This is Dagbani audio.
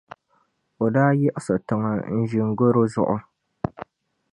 o daa yiɣisi tiŋa n-ʒini garo zuɣu.